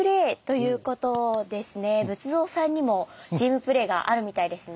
仏像さんにもチームプレーがあるみたいですね。